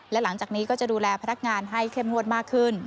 และหลังจากนี้ก็จะดูแลพนักงานให้เข้มงวดมากขึ้น